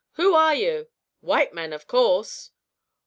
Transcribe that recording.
"Who are you?" "White men of course."